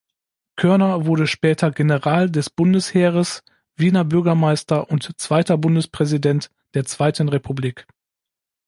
Körner wurde später General des Bundesheeres, Wiener Bürgermeister und zweiter Bundespräsident der Zweiten Republik.